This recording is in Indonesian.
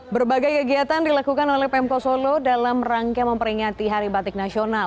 berbagai kegiatan dilakukan oleh pemko solo dalam rangka memperingati hari batik nasional